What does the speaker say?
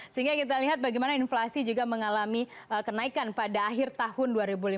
sehingga kita lihat bagaimana inflasi juga mengalami kenaikan pada akhir tahun dua ribu lima belas